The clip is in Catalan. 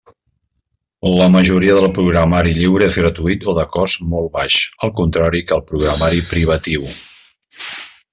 La majoria del programari lliure és gratuït o de cost molt baix, al contrari que el programari privatiu.